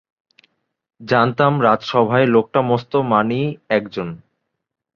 জানতাম রাজসভায় লোকটা মস্ত মানী একজন।